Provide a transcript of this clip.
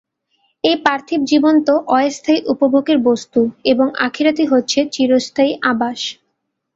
এই পার্থিব জীবন তো অস্থায়ী উপভোগের বস্তু এবং আখিরাতই হচ্ছে চিরস্থায়ী আবাস।